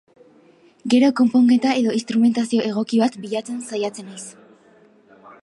Gero, konponketa edo instrumentazio egoki bat bilatzen saiatzen naiz.